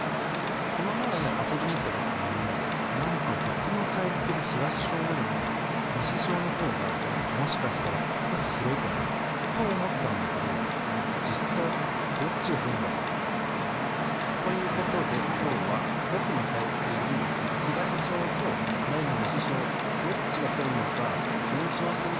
この前遊びに行った時になんかぼくの通っている東小よりも西小のほうがもしかしたら少し広いかも？と思ったんだけど実際どっちが広いんだろ？ということで今日はぼくの通っている東小ととなりの西小どっちが広いのか検証してみたいと思います。